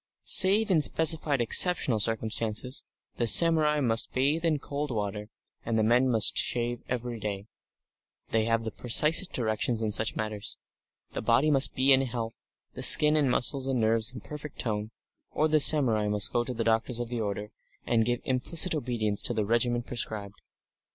Save in specified exceptional circumstances, the samurai must bathe in cold water, and the men must shave every day; they have the precisest directions in such matters; the body must be in health, the skin and muscles and nerves in perfect tone, or the samurai must go to the doctors of the order, and give implicit obedience to the regimen prescribed.